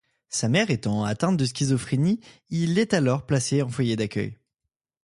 Sa mère étant atteinte de schizophrénie, il est alors placé en foyer d'accueil.